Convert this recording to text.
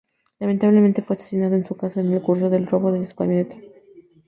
Lamentablemente, fue asesinado en su casa en el curso del robo a su camioneta.